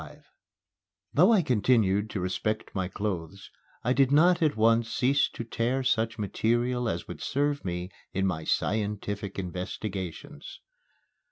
XXV Though I continued to respect my clothes, I did not at once cease to tear such material as would serve me in my scientific investigations.